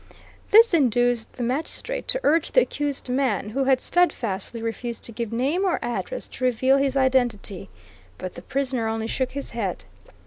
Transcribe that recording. This induced the magistrate to urge the accused man who had steadfastly refused to give name or address to reveal his identity. But the prisoner only shook his head.